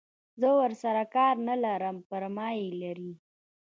زه ورسره کار نه لرم پر ما یې لري.